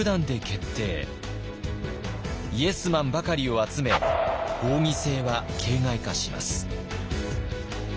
イエスマンばかりを集め合議制は形骸化します。